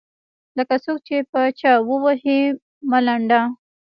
لکــــه څــوک چې په چـــا ووهي ملـــنډه.